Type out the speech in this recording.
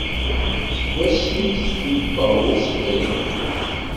Seg ass mi i tt-bubbeɣ ur s-briɣ.